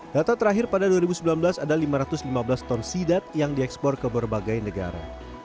data terakhir pada dua ribu sembilan belas ada lima ratus lima belas ton sidap yang diekspor ke berbagai negara